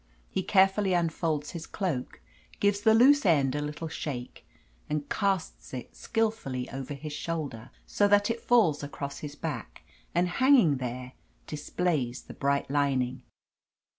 He carefully unfolds his cloak, gives the loose end a little shake, and casts it skilfully over his shoulder, so that it falls across his back, and, hanging there, displays the bright lining.